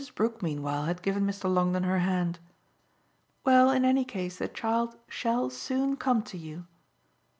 Brook meanwhile had given Mr. Longdon her hand. "Well, in any case the child SHALL soon come to you.